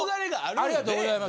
ありがとうございます。